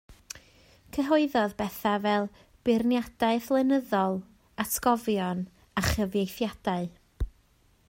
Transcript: Cyhoeddodd bethau fel beirniadaeth lenyddol, atgofion a chyfieithiadau